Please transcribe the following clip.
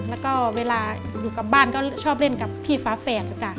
แล้วก็เวลาอยู่กับบ้านก็ชอบเล่นกับพี่ฟ้าแฝดค่ะ